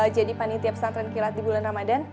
jadi panitia pesantren kilat di bulan ramadan